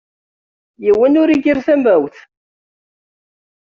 Yiwen ur igir tamawt.